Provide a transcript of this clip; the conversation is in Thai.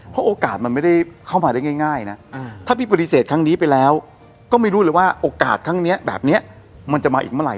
เพราะโอกาสมันไม่ได้เข้ามาได้ง่ายนะถ้าพี่ปฏิเสธครั้งนี้ไปแล้วก็ไม่รู้เลยว่าโอกาสครั้งนี้แบบนี้มันจะมาอีกเมื่อไห